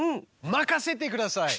任せてください！